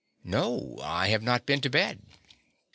No, I have not been to bed.